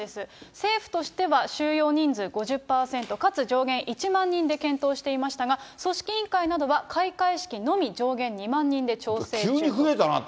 政府としては、収容人数５０％かつ上限１万人で検討していましたが、組織委員会などは開会式のみ上限２万人で調整中と。